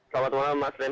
selamat malam mas ren